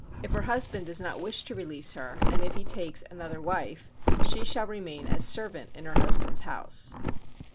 If her husband does not wish to release her, and if he take another wife, she shall remain as servant in her husband's house.